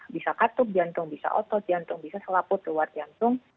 bisa katup jantung bisa otot jantung bisa selaput luar jantung